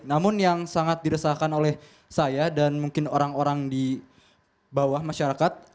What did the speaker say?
namun yang sangat diresahkan oleh saya dan mungkin orang orang di bawah masyarakat